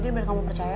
di mana kamu percaya